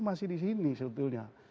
masih di sini sebetulnya